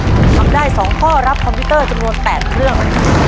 ทำได้๒ข้อรับคอมพิวเตอร์จำนวน๘เครื่อง